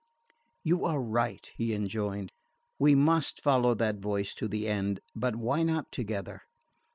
"You are right," he rejoined; "we must follow that voice to the end; but why not together?